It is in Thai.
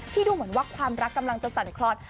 ดูเหมือนว่าความรักกำลังจะสั่นคลอน